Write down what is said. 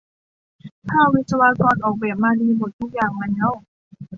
ถ้าวิศวกรออกแบบมาดีหมดทุกอย่างแล้ว